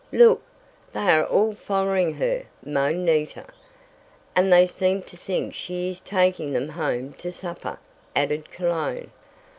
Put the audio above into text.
"Look! They are all following her!" moaned Nita. "And they seem to think she is taking them home to supper!" added Cologne.